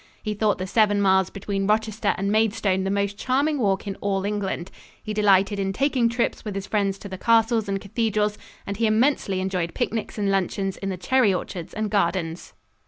He thought the seven miles between Rochester and Maidstone the most charming walk in all England. He delighted in taking trips with his friends to the castles and cathedrals and he immensely enjoyed picnics and luncheons in the cherry orchards and gardens.